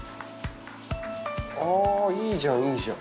あぁいいじゃんいいじゃん。